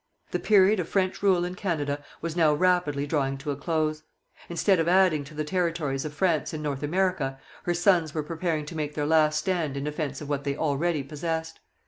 The period of French rule in Canada was now rapidly drawing to a close. Instead of adding to the territories of France in North America, her sons were preparing to make their last stand in defence of what they already possessed.